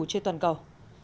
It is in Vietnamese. trên toàn cầu